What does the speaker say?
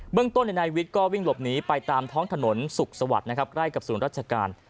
เรื่องต้นนายวิทย์ก็วิ่งหลบหนีไปตามท้องถนนสุขสวัสดิ์นะครับใกล้กับศูนย์ราชการ